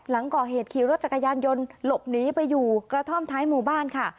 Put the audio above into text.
หลังก่อเหตุขี่รถจักรยานยนต์หลบหนีไปอยู่กระท่อมท้ายหมู่บ้านค่ะ